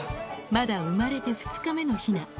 まだ生まれて２日目のヒナ。